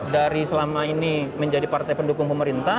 dari selama ini menjadi partai pendukung pemerintah